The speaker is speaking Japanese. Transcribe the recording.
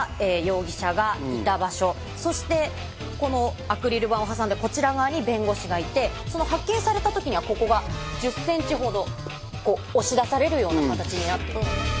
そしてこのアクリル板を挟んでこちら側に弁護士がいてその発見された時にはここが１０ｃｍほど押し出されるような形になっていた。